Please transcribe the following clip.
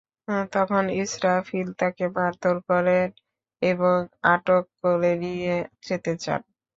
তখন ইসরাফিল তাঁকে মারধর করেন এবং আটক করে নিয়ে যেতে চান।